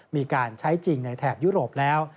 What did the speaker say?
มีการใช้จริงในแถบยุโรปแล้ว